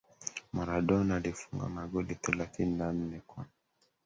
Maradona alifunga magoli thelathini na nne kwa